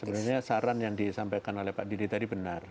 sebenarnya saran yang disampaikan oleh pak didi tadi benar